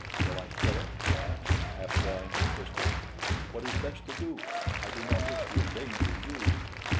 "Shall I kill it?" he asked, half drawing his pistol. "What is best to do? I do not wish to endanger you."